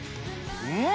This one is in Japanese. うん！